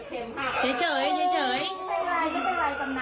ขายถึงให้คุณก่อน